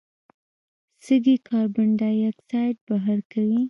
سږي کاربن ډای اکساید بهر کوي.